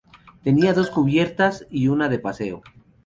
Tenía dos cubiertas y una de paseo.